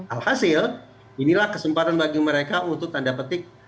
alhasil inilah kesempatan bagi mereka untuk tanda petik